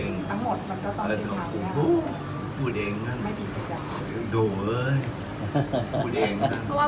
ก็ออกมาเป็นออกมา